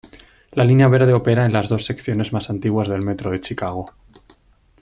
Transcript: La Línea Verde opera en las dos secciones más antiguas del Metro de Chicago.